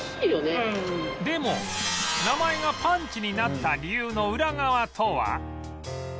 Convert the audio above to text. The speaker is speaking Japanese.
でも名前がパンチになった理由のウラ側とは？